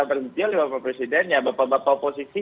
oleh bapak presiden ya bapak bapak oposisi